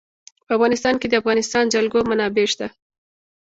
په افغانستان کې د د افغانستان جلکو منابع شته.